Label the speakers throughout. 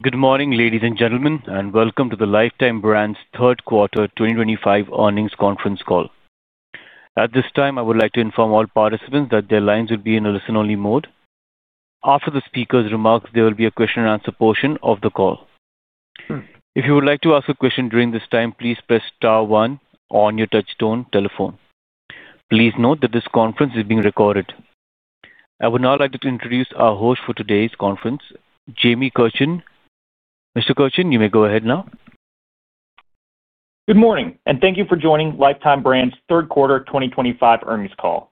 Speaker 1: Good morning, ladies and gentlemen, and welcome to the Lifetime Brands Third Quarter 2025 Earnings Conference Call. At this time, I would like to inform all participants that their lines will be in a listen-only mode. After the speaker's remarks, there will be a question-and-answer portion of the call. If you would like to ask a question during this time, please press star one on your touch-tone telephone. Please note that this conference is being recorded. I would now like to introduce our host for today's conference, Jamie Kirchen. Mr. Kirchen, you may go ahead now.
Speaker 2: Good morning, and thank you for joining Lifetime Brands Third Quarter 2025 Earnings Call.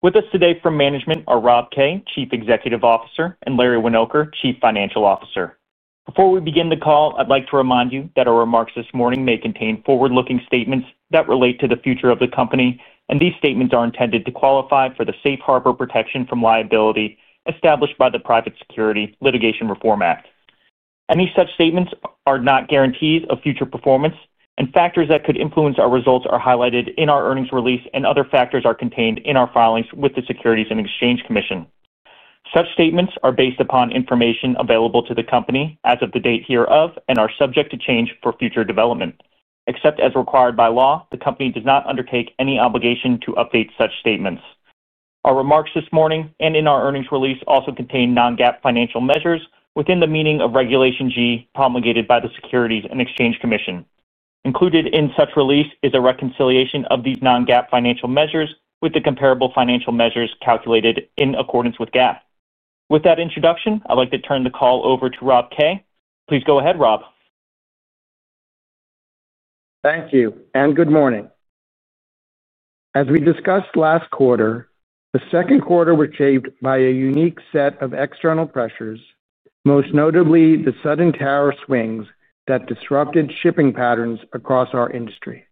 Speaker 2: With us today from management are Rob Kay, Chief Executive Officer, and Larry Winoker, Chief Financial Officer. Before we begin the call, I'd like to remind you that our remarks this morning may contain forward-looking statements that relate to the future of the company, and these statements are intended to qualify for the safe harbor protection from liability established by the Private Securities Litigation Reform Act. Any such statements are not guarantees of future performance, and factors that could influence our results are highlighted in our earnings release, and other factors are contained in our filings with the Securities and Exchange Commission. Such statements are based upon information available to the company as of the date hereof and are subject to change for future development. Except as required by law, the company does not undertake any obligation to update such statements. Our remarks this morning and in our earnings release also contain non-GAAP, financial measures within the meaning of Regulation G promulgated by the Securities and Exchange Commission. Included in such release is a reconciliation of these non-GAAP, financial measures with the comparable financial measures calculated in accordance with GAAP. With that introduction, I'd like to turn the call over to Rob Kay. Please go ahead, Rob.
Speaker 3: Thank you, and good morning. As we discussed last quarter, the second quarter, was shaped by a unique set of external pressures, most notably the sudden tariff swings that disrupted shipping patterns across our industry.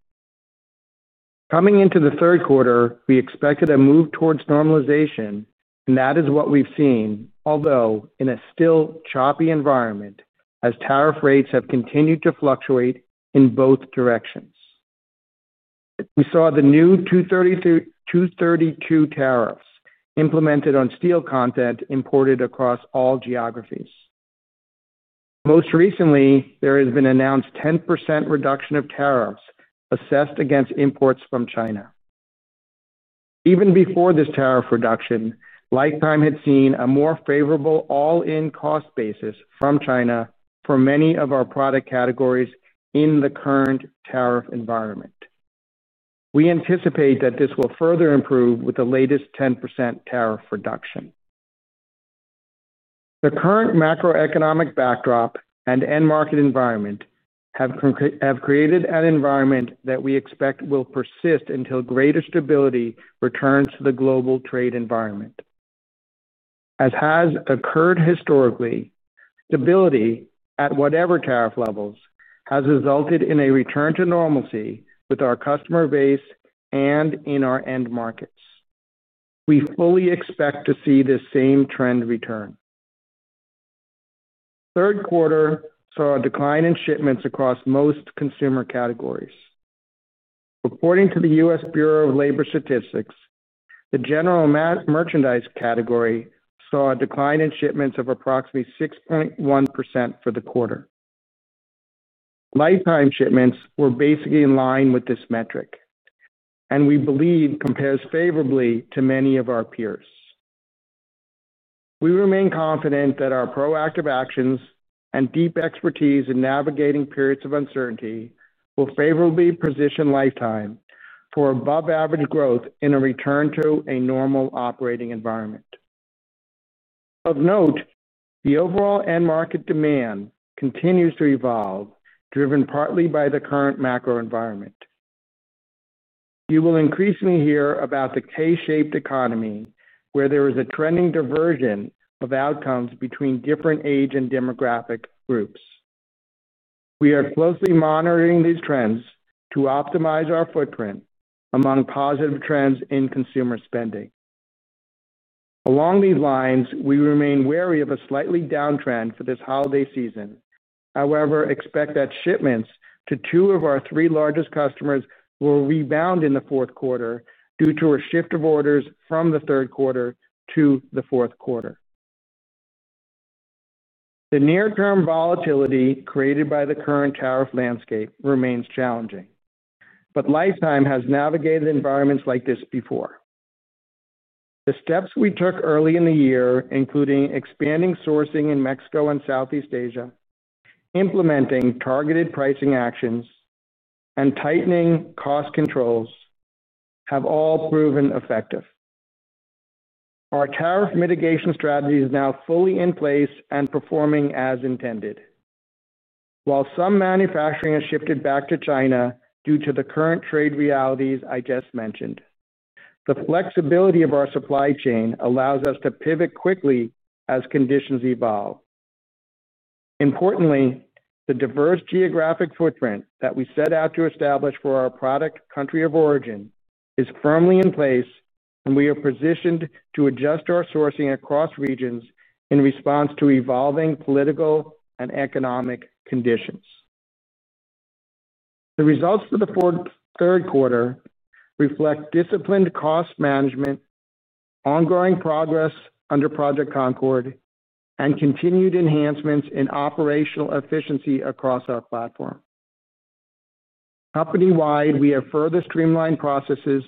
Speaker 3: Coming into the third quarter, we expected a move towards normalization, and that is what we've seen, although in a still choppy environment as tariff rates have continued to fluctuate in both directions. We saw the new Section 232, tariffs implemented on steel content imported across all geographies. Most recently, there has been announced a 10%, reduction of tariffs assessed against imports from China. Even before this tariff reduction, Lifetime Brands, had seen a more favorable all-in cost basis from China, for many of our product categories in the current tariff environment. We anticipate that this will further improve with the latest 10%, tariff reduction. The current macroeconomic backdrop and end market environment have created an environment that we expect will persist until greater stability returns to the global trade environment. As has occurred historically, stability at whatever tariff levels, has resulted in a return to normalcy with our customer base and in our end markets. We fully expect to see this same trend return. Third quarter, saw a decline in shipments across most consumer categories. According to the U.S. Bureau of Labor Statistics, the general merchandise category, saw a decline in shipments of approximately 6.1%, for the quarter. Lifetime, shipments were basically in line with this metric. We believe it compares favorably to many of our peers. We remain confident that our proactive actions and deep expertise in navigating periods of uncertainty will favorably position Lifetime, for above-average growth in a return to a normal operating environment. Of note, the overall end market demand continues to evolve, driven partly by the current macro environment. You will increasingly hear about the K-shaped economy, where there is a trending diversion of outcomes between different age and demographic groups. We are closely monitoring these trends to optimize our footprint among positive trends in consumer spending. Along these lines, we remain wary of a slightly downtrend for this holiday season. However, we expect that shipments to two of our three largest customers will rebound in the fourth quarter, due to a shift of orders from the third quarter, to the fourth quarter. The near-term volatility, created by the current tariff landscape remains challenging, but Lifetime, has navigated environments like this before. The steps we took early in the year, including expanding sourcing in Mexico and Southeast Asia, implementing targeted pricing actions, and tightening cost controls, have all proven effective. Our tariff mitigation strategy is now fully in place and performing as intended. While some manufacturing has shifted back to China, due to the current trade realities I just mentioned, the flexibility of our supply chain allows us to pivot quickly as conditions evolve. Importantly, the diverse geographic footprint that we set out to establish for our product country of origin is firmly in place, and we are positioned to adjust our sourcing across regions in response to evolving political and economic conditions. The results for the third quarter, reflect disciplined cost management, ongoing progress under Project Concord, and continued enhancements in operational efficiency across our platform. Company-wide, we have further streamlined processes,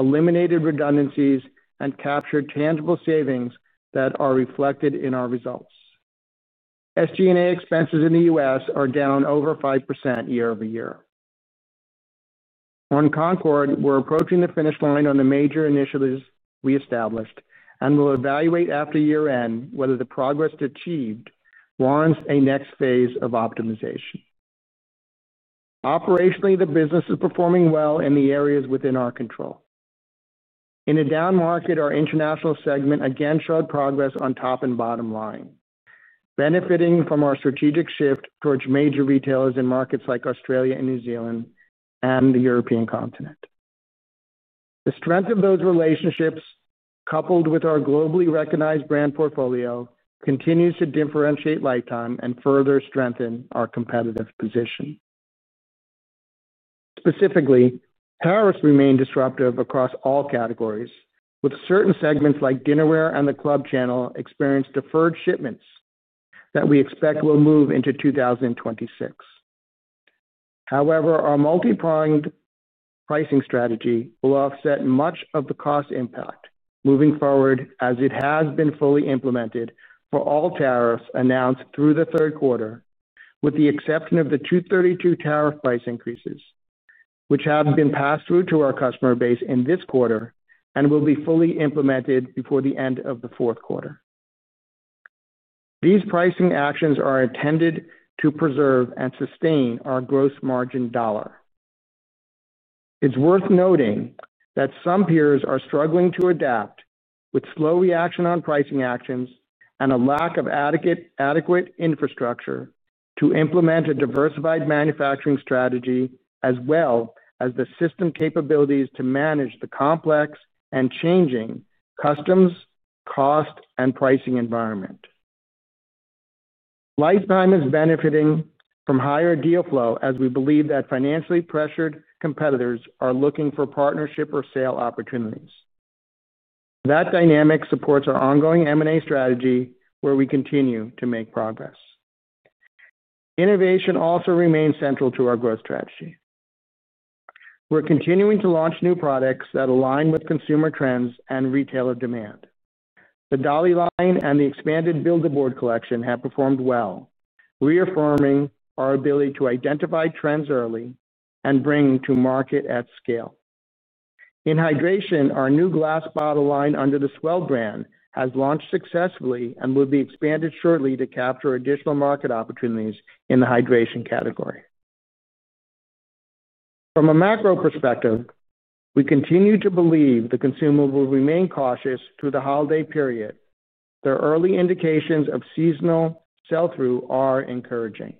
Speaker 3: eliminated redundancies, and captured tangible savings that are reflected in our results. SG&A expenses, in the U.S. are down over 5%, year-over-year. On Concord, we're approaching the finish line on the major initiatives we established and will evaluate after year-end whether the progress achieved warrants a next phase of optimization. Operationally, the business is performing well in the areas within our control. In a down market, our international segment, again showed progress on top and bottom line, benefiting from our strategic shift towards major retailers in markets like Australia and New Zealand, and the European continent. The strength of those relationships, coupled with our globally recognized brand portfolio, continues to differentiate Lifetime, and further strengthen our competitive position. Specifically, tariffs remain disruptive across all categories, with certain segments like dinnerware and the club channel experiencing deferred shipments that we expect will move into 2026. However, our multi-pronged pricing strategy, will offset much of the cost impact moving forward as it has been fully implemented for all tariffs announced through the third quarter, with the exception of the 232 tariff price increases, which have been passed through to our customer base in this quarter, and will be fully implemented before the end of the fourth quarter. These pricing actions are intended to preserve and sustain our gross margin dollar. It's worth noting that some peers are struggling to adapt with slow reaction on pricing actions and a lack of adequate infrastructure to implement a diversified manufacturing strategy, as well as the system capabilities to manage the complex and changing customs cost, and pricing environment. Lifetime, is benefiting from higher deal flow as we believe that financially pressured competitors are looking for partnership or sale opportunities. That dynamic supports our ongoing M&A strategy, where we continue to make progress. Innovation, also remains central to our growth strategy. We're continuing to launch new products that align with consumer trends and retailer demand. The Dolly line, and the expanded Build-A-Board collection, have performed well, reaffirming our ability to identify trends early and bring to market at scale. In hydration, our new glass bottle line under the S'well brand, has launched successfully and will be expanded shortly to capture additional market opportunities in the hydration category. From a macro perspective, we continue to believe the consumer will remain cautious through the holiday period. The early indications of seasonal sell-through are encouraging.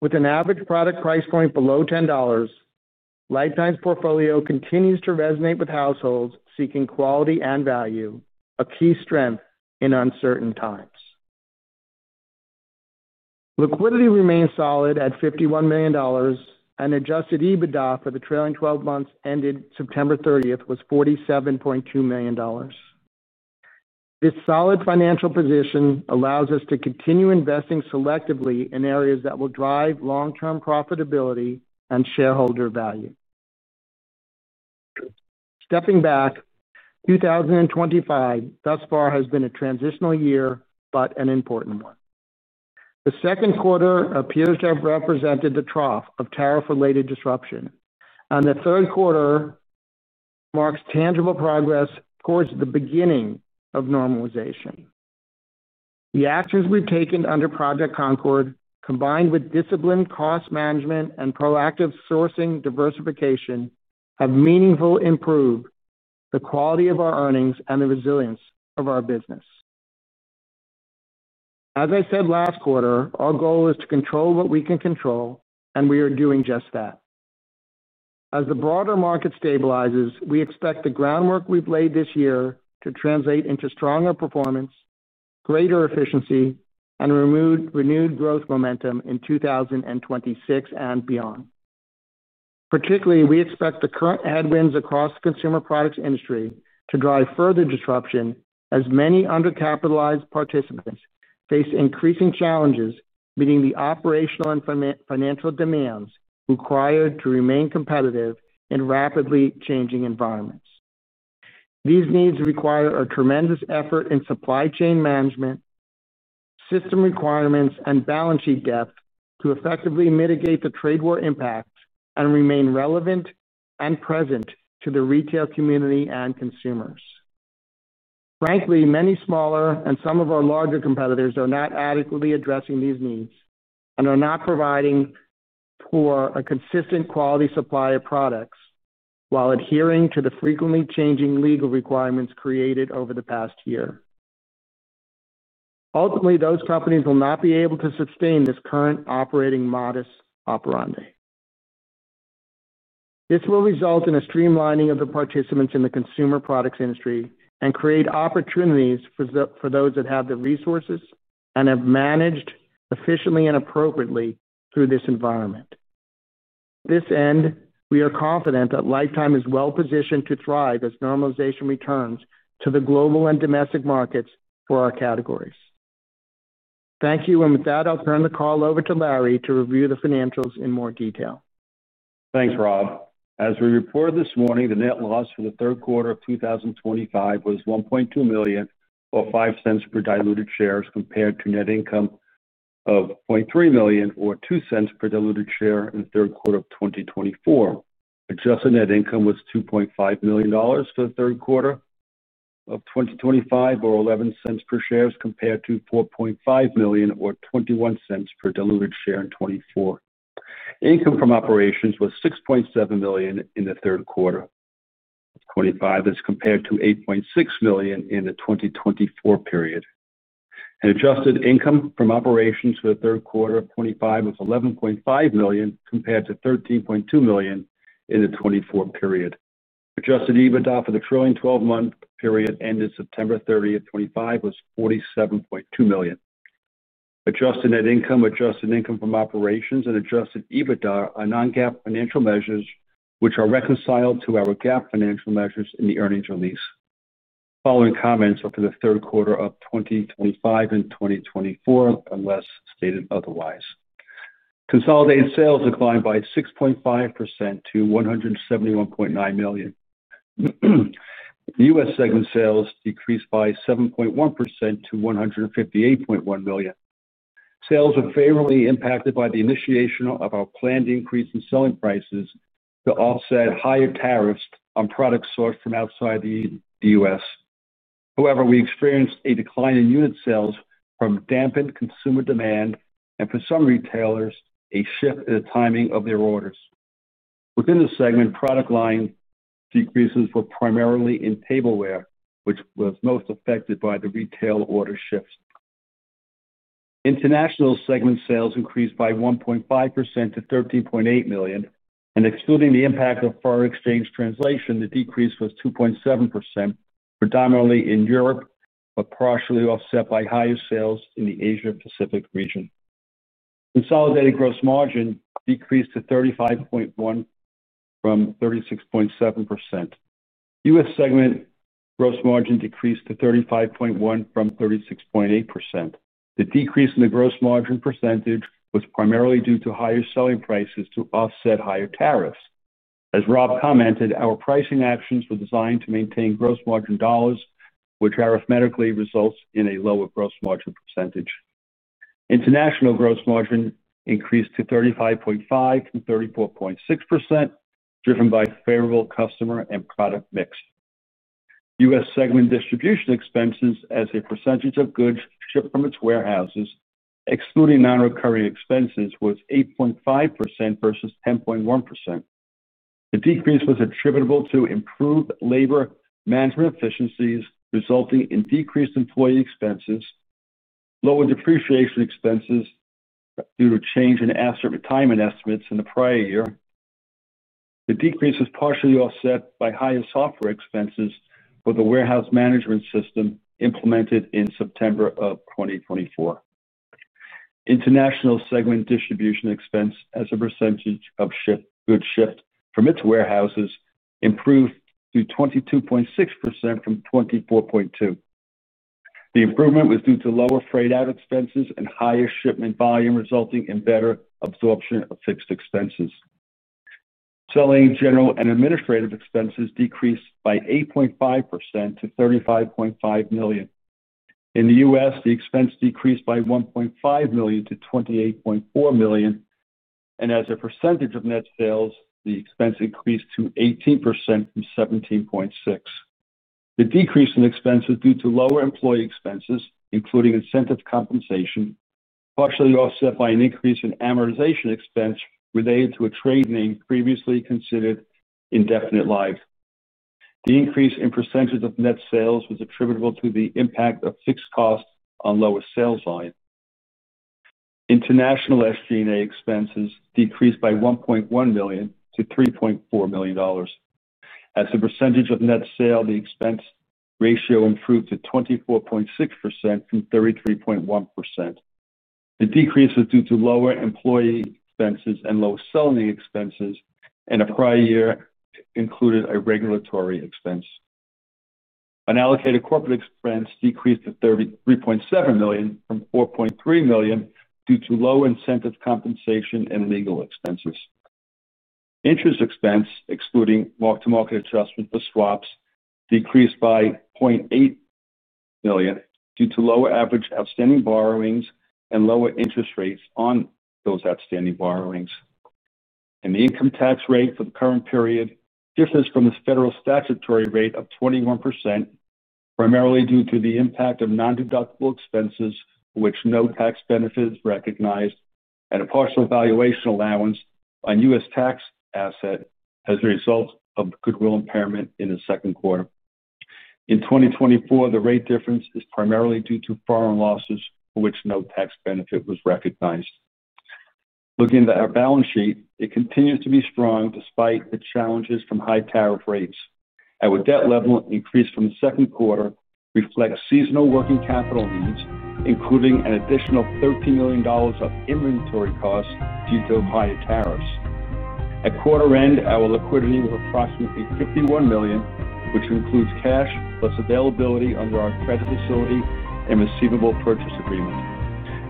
Speaker 3: With an average product price point below $10, Lifetime's, portfolio continues to resonate with households seeking quality and value, a key strength in uncertain times. Liquidity, remains solid at $51 million, and adjusted EBITDA, for the trailing 12 months ended September 30, was $47.2 million. This solid financial position allows us to continue investing selectively in areas that will drive long-term profitability, and shareholder value. Stepping back, 2025, thus far has been a transitional year but an important one. The second quarter, appears to have represented the trough of tariff-related disruption, and the third quarter, marks tangible progress towards the beginning of normalization. The actions we have taken under Project Concord, combined with disciplined cost management and proactive sourcing diversification, have meaningfully improved the quality of our earnings and the resilience of our business. As I said last quarter, our goal is to control what we can control, and we are doing just that. As the broader market stabilizes, we expect the groundwork we've laid this year to translate into stronger performance, greater efficiency, and renewed growth momentum, in 2026, and beyond. Particularly, we expect the current headwinds across the consumer products industry to drive further disruption as many undercapitalized participants face increasing challenges meeting the operational and financial demands, required to remain competitive in rapidly changing environments. These needs require a tremendous effort in supply chain management, system requirements, and balance sheet, depth to effectively mitigate the trade war impact and remain relevant and present to the retail community and consumers. Frankly, many smaller and some of our larger competitors are not adequately addressing these needs and are not providing for a consistent quality supply of products, while adhering to the frequently changing legal requirements created over the past year. Ultimately, those companies will not be able to sustain this current operating modus operandi. This will result in a streamlining of the participants in the consumer products industry and create opportunities for those that have the resources and have managed efficiently and appropriately through this environment. To this end, we are confident that Lifetime, is well positioned to thrive as normalization returns to the global and domestic markets for our categories. Thank you, and with that, I'll turn the call over to Larry, to review the financials in more detail.
Speaker 4: Thanks, Rob. As we reported this morning, the net loss for the third quarter, of 2025, was $1.2 million, or 5 cents per diluted share, compared to net income of $0.3 million, or 2 cents per diluted share, in the third quarter, of 2024. Adjusted net income, was $2.5 million, for the third quarter, of 2025, or $0.11 per share, compared to $4.5 million, or $0.21 per diluted share, in 2024. Income, from operations was $6.7 million, in the third quarter, of 2025, this compared to $8.6 million, in the 2024 period. Adjusted income, from operations for the third quarter, of 2025, was $11.5 million, compared to $13.2 million, in the 2024 period. Adjusted EBITDA, for the trailing 12-month period that ended September 30, 2025, was $47.2 million. Adjusted net income, adjusted income,, from operations, and adjusted EBITDA are non-GAAP, financial measures which are reconciled to our GAAP, financial measures in the earnings release. Following comments for the third quarter, of 2025 and 2024, unless stated otherwise. Consolidated sales declined by 6.5%, to $171.9 million. The U.S. segmend sales decreased by 7.1%, to $158.1 million. Sales were favorably impacted by the initiation of our planned increase in selling prices to offset higher tariffs on products sourced from outside the U.S. However, we experienced a decline in unit sales, from dampened consumer demand and, for some retailers, a shift in the timing of their orders. Within the segment, product line decreases were primarily in tableware, which was most affected by the retail order shifts. International segment sales, increased by 1.5%, to $13.8 million, and excluding the impact of foreign exchange translation, the decrease was 2.7%, predominantly in Europe, but partially offset by higher sales in the Asia-Pacific region. Consolidated gross margin, decreased to 35.1%, from 36.7%. U.S. segment gross margin, decreased to 35.1%, from 36.8%. The decrease in the gross margin, percentage was primarily due to higher selling prices to offset higher tariffs. As Rob commented, our pricing actions were designed to maintain gross margin, dollars, which arithmetically results in a lower gross margin percentage. International gross margin, increased to 35.5%-34.6%, driven by favorable customer and product mix. U.S. segment distribution expenses, as a percentage of goods shipped from its warehouses, excluding non-recurring expenses, was 8.5% versus 10.1%. The decrease was attributable to improved labor management efficiencies, resulting in decreased employee expenses. Lower depreciation expenses, due to change in asset retirement estimates in the prior year. The decrease was partially offset by higher software expenses, for the warehouse management system, implemented in September of 2024. International segment distribution expense, as a percentage of goods shipped from its warehouses improved to 22.6%, from 24.2%. The improvement was due to lower freight-out expenses, and higher shipment volume, resulting in better absorption of fixed expenses. Selling, general and administrative expenses, decreased by 8.5% to $35.5 million. In the U.S., the expense, decreased by $1.5 million to $28.4 million, and as a percentage of net sales, the expense, increased to 18%, from 17.6%. The decrease in expenses, was due to lower employee expenses, including incentive compensation, partially offset by an increase in amortization expense, related to a trade name previously considered indefinite lives. The increase in percentage of net sales, was attributable to the impact of fixed costs, on lower sales volume. International SG&A expenses, decreased by $1.1 million to $3.4 million. As a percentage of net sales, the expense ratio, improved to 24.6% from 33.1%. The decrease was due to lower employee expenses, and lower selling expenses, and a prior year included a regulatory expense. Unallocated corporate expense, decreased to $3.7 million from $4.3 million, due to lower incentive compensation, and legal expenses. Interest expense, excluding mark-to-market adjustment for swaps, decreased by $0.8 million, due to lower average outstanding borrowings and lower interest rates, on those outstanding borrowings. The income tax rate, for the current period differs from the federal statutory rate of 21%, primarily due to the impact of non-deductible expenses, for which no tax benefit is recognized, and a partial valuation allowance on U.S. tax assets, as a result of goodwill impairment in the second quarter. In 2024, the rate difference is primarily due to foreign losses, for which no tax benefit, was recognized. Looking at our balance sheet, it continues to be strong despite the challenges from high tariff rates. Our debt level, increase from the second quarter, reflects seasonal working capital needs, including an additional $13 million, of inventory costs, due to higher tariffs. At quarter end, our liquidity, was approximately $51 million, which includes cash plus availability under our credit facility, and receivable purchase agreement.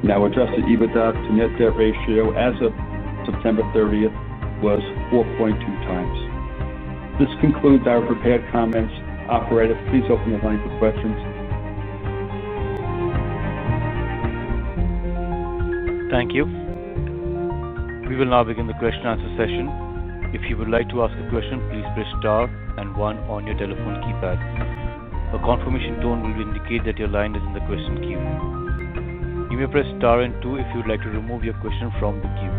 Speaker 4: Now, adjusted EBITDA, to net debt ratio, as of September 30, was 4.2 times. This concludes our prepared comments. Operator, please open the line for questions.
Speaker 1: Thank you. We will now begin the question-and-answer session. If you would like to ask a question, please press star and one on your telephone keypad. A confirmation tone will indicate that your line is in the question queue. You may press star and two if you would like to remove your question from the queue.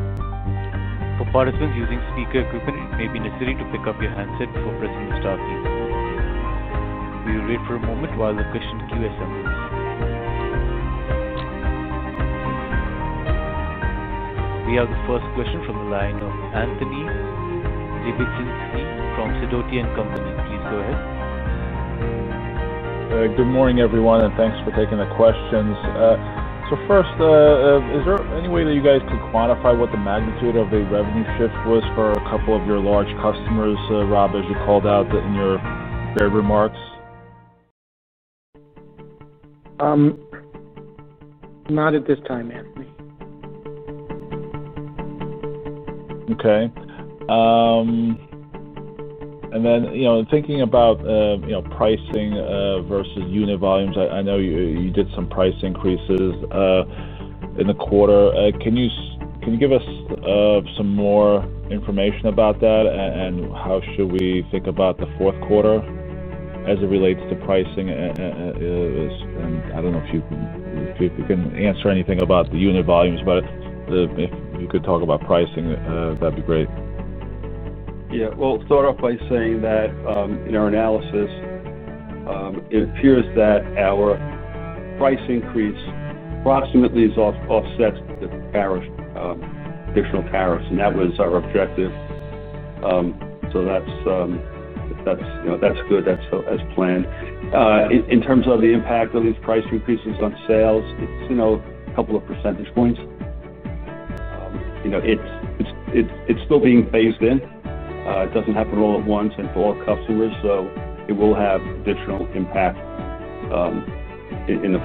Speaker 1: For participants using speaker equipment, it may be necessary to pick up your handset before pressing the star key. We will wait for a moment while the question queue assembles. We have the first question from the line of Anthony Lebiedzinski, from Sidoti & Company. Please go ahead.
Speaker 5: Good morning, everyone, and thanks for taking the questions. First, is there any way that you guys could quantify what the magnitude of the revenue shift was for a couple of your large customers, Rob, as you called out in your remarks?
Speaker 3: Not at this time, Anthony.
Speaker 5: Okay. And then thinking about pricing versus unit volumes, I know you did some price increases in the quarter. Can you give us some more information about that, and how should we think about the fourth quarter, as it relates to pricing? I do not know if you can answer anything about the unit volumes, but if you could talk about pricing, that would be great.
Speaker 4: Yeah. I'll start off by saying that in our analysis, it appears that our price increase approximately offsets the additional tariffs, and that was our objective. That's good. That's planned. In terms of the impact of these price increases on sales, it's a couple of percentage points. It's still being phased in. It doesn't happen all at once and for all customers, so it will have additional impact in the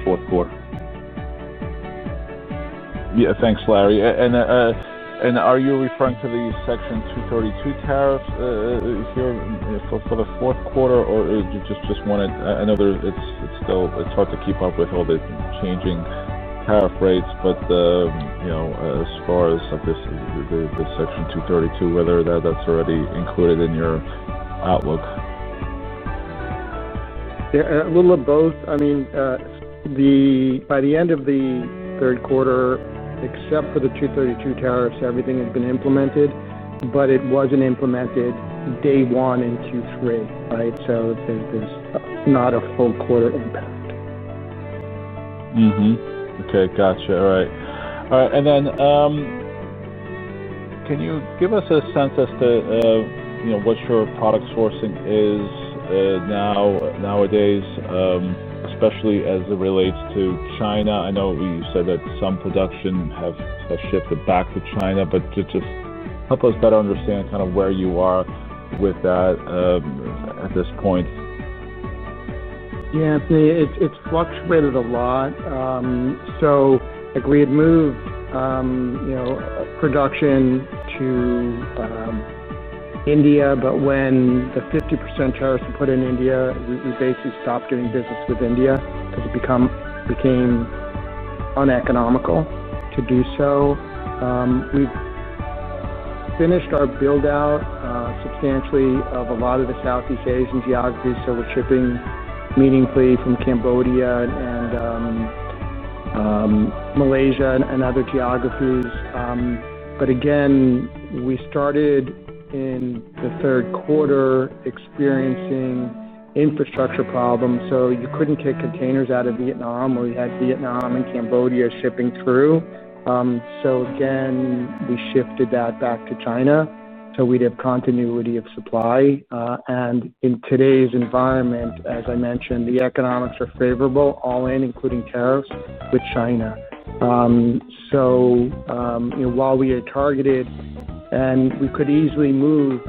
Speaker 4: fourth quarter.
Speaker 5: Yeah. Thanks, Larry. Are you referring to the Section 232 tariffs, here for the fourth quarter, or just wanted to know that it's hard to keep up with all the changing tariff rates? As far as the Section 232, whether that's already included in your outlook?
Speaker 3: Yeah. A little of both. I mean. By the end of the third quarter, except for the 232 tariffs, everything had been implemented, but it wasn't implemented day one into three, right? So there's not a full quarter impact.
Speaker 5: Okay. Gotcha. All right. All right. Can you give us a sense as to what your product sourcing is nowadays, especially as it relates to China? I know you said that some production has shifted back to China, but just help us better understand kind of where you are with that at this point.
Speaker 3: Yeah. It's fluctuated a lot. We had moved production to India, but when the 50% tariffs, were put in India, we basically stopped doing business with India because it became uneconomical to do so. We've finished our build-out substantially of a lot of the Southeast Asian geographies, so we're shipping meaningfully from Cambodia and Malaysia, and other geographies. We started in the third quarter experiencing infrastructure problems, so you couldn't take containers out of Vietnam, where we had Vietnam and Cambodia, shipping through. We shifted that back to China, so we'd have continuity of supply. In today's environment, as I mentioned, the economics are favorable all in, including tariffs, with China. While we had targeted, and we could easily move,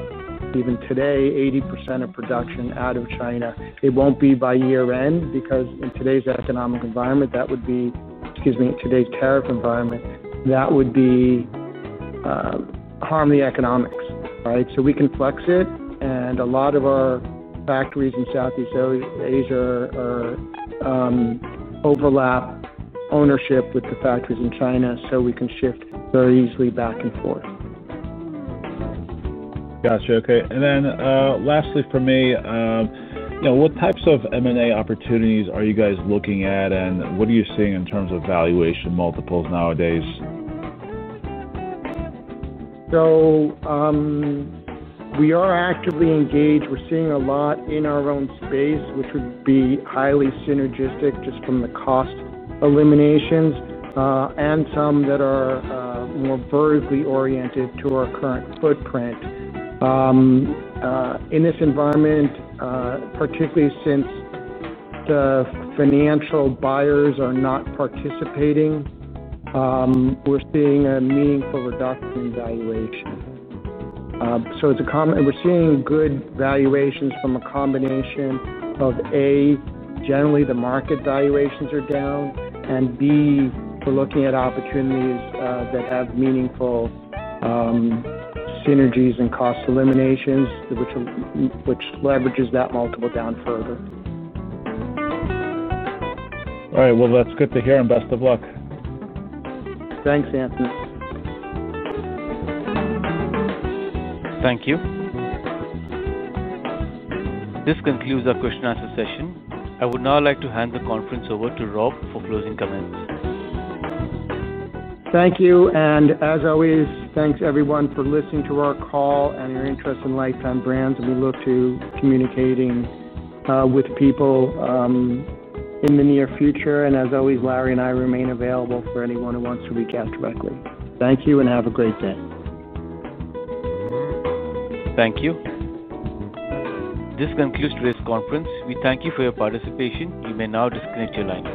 Speaker 3: even today, 80%, of production out of China. It won't be by year-end because in today's economic environment, that would be, excuse me, in today's tariff environment, that would harm the economics, right? We can flex it, and a lot of our factories in Southeast Asia, are overlap ownership with the factories in China, so we can shift very easily back and forth.
Speaker 5: Gotcha. Okay. Lastly for me, what types of M&A opportunities, are you guys looking at, and what are you seeing in terms of valuation multiples nowadays?
Speaker 3: We are actively engaged. We're seeing a lot in our own space, which would be highly synergistic just from the cost eliminations. Some that are more vertically oriented to our current footprint. In this environment, particularly since the financial buyers are not participating, we're seeing a meaningful reduction in valuation. We're seeing good valuations from a combination of, A, generally the market valuations are down, and B, we're looking at opportunities that have meaningful synergies and cost eliminations, which leverages that multiple down further.
Speaker 5: All right. That is good to hear, and best of luck.
Speaker 3: Thanks, Anthony.
Speaker 1: Thank you. This concludes our question-answer session. I would now like to hand the conference over to Rob, for closing comments.
Speaker 3: Thank you. As always, thanks everyone for listening to our call and your interest in Lifetime Brands. We look to communicating with people in the near future. As always, Larry and I, remain available for anyone who wants to reach out directly. Thank you, and have a great day.
Speaker 1: Thank you. This concludes today's conference. We thank you for your participation. You may now disconnect your line.